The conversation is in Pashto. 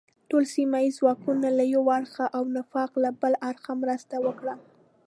ټول سیمه ییز ځواکونه له یو اړخه او نفاق له بل اړخه مرسته وکړه.